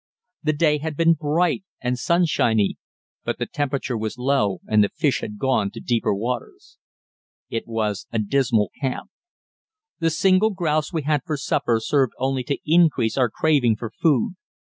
The day had been bright and sunshiny, but the temperature was low and the fish had gone to deeper waters. It was a dismal camp. The single grouse we had for supper served only to increase our craving for food.